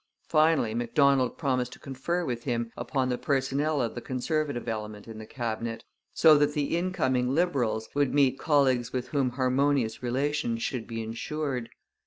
Finally Macdonald promised to confer with him upon the personnel of the Conservative element in the Cabinet, so that the incoming Liberals would meet colleagues with whom harmonious relations should be ensured.